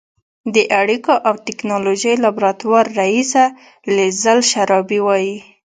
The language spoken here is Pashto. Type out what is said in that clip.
د اړیکو او ټېکنالوژۍ لابراتوار رییسه لیزل شرابي وايي